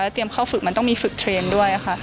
แล้วเตรียมเข้าฝึกมันต้องมีฝึกเทรนด้วยค่ะ